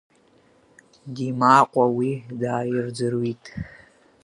Димаҟәа уи дааирӡрҩит.